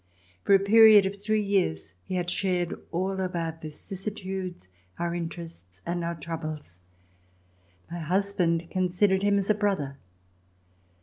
For a period of three years, he had shared all of our vicissitudes, our interests and our troubles. My husband considered him as a brother.